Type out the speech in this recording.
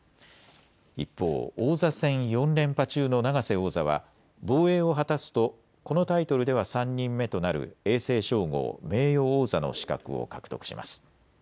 一方、王座戦４連覇中の永瀬王座は防衛を果たすとこのタイトルでは３人目となる永世称号、名誉王座の資格を獲得します。